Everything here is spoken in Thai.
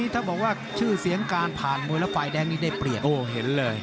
แต่ว่าจริงก็รวมจิต